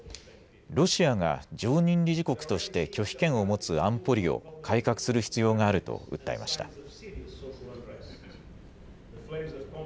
ロシアが常任理事国として拒否権を持つ安保理を改革する必要があると訴えました。